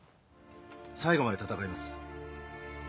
最後まで戦います。